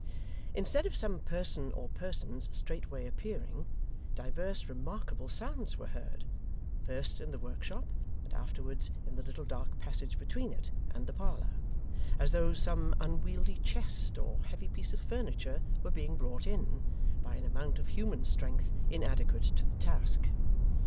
Instead of some person or persons straightway appearing, divers remarkable sounds were heard, first in the workshop and afterwards in the little dark passage between it and the parlour, as though some unwieldy chest or heavy piece of furniture were being brought in, by an amount of human strength inadequate to the task.